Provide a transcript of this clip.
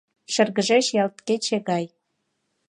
Шыргыжеш ялт кече гай